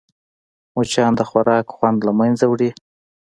مچان د خوراک خوند له منځه وړي